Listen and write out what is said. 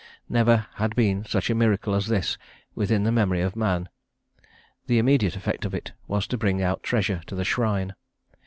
Never had been such a miracle as this within the memory of man. The immediate effect of it was to bring out treasure to the shrine.